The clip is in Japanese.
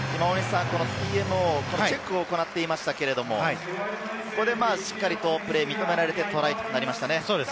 今、チェックを行っていましたけれども、しっかりとプレーが認められて、トライとなりました。